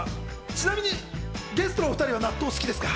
ちなみにゲストのお２人は納豆は好きですか？